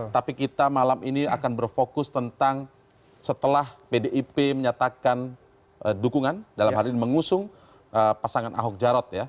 tapi kita malam ini akan berfokus tentang setelah pdip menyatakan dukungan dalam hal ini mengusung pasangan ahok jarot ya